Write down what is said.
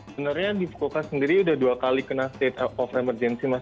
sebenarnya di fukur sendiri udah dua kali kena state of emergency mas